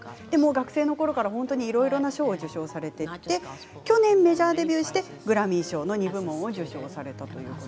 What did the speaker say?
学生のころからいろいろな賞を受賞されて去年、メジャーデビューしてグラミー賞２部門を受賞されたと。